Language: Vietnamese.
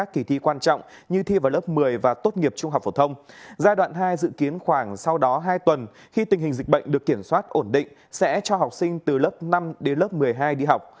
khi tình hình dịch bệnh được kiểm soát ổn định sẽ cho học sinh từ lớp năm đến lớp một mươi hai đi học